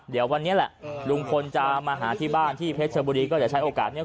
เดี๋ยววันนี้แหละลุงพลจะมาหาที่บ้านที่เพชรชบุรีก็จะใช้โอกาสนี้